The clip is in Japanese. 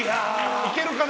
いけるかな？